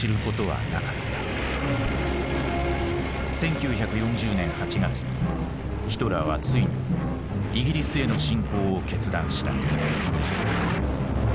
１９４０年８月ヒトラーはついにイギリスへの侵攻を決断した。